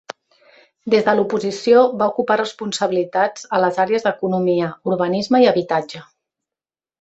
Des de l'oposició va ocupar responsabilitats a les àrees d'Economia, Urbanisme i Habitatge.